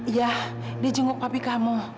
iya di jenguk papi kamu